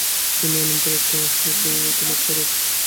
তুমি অনন্তের একটি অংশ, উহাই তোমার স্বরূপ।